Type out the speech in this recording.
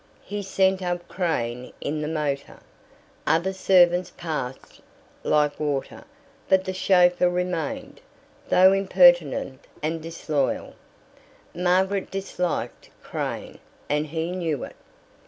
He sent up Crane in the motor. Other servants passed like water, but the chauffeur remained, though impertinent and disloyal. Margaret disliked Crane, and he knew it.